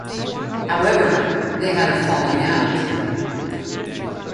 However, they had a falling out.